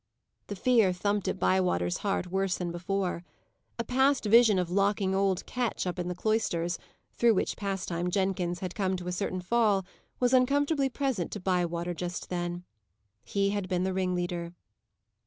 The fear thumped at Bywater's heart worse than before. A past vision of locking up old Ketch in the cloisters, through which pastime Jenkins had come to a certain fall, was uncomfortably present to Bywater just then. He had been the ringleader.